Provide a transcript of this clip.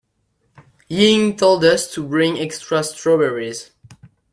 Ying told us to bring extra strawberries.